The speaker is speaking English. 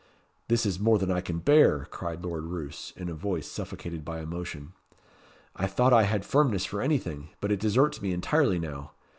"This is more than I can bear," cried Lord Roos, in a voice suffocated by emotion. "I thought I had firmness for anything; but it deserts me entirely now.